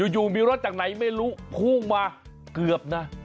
อยู่มีรถจากไหนไม่รู้พุ่งมาเกือบนะ